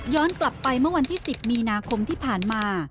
กลับไปเมื่อวันที่๑๐มีนาคมที่ผ่านมา